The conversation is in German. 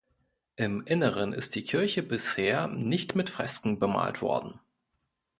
Im Inneren ist die Kirche bisher nicht mit Fresken bemalt worden.